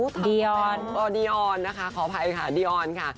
ออดีออนนะคะขออภัยค่ะดีออนค่ะ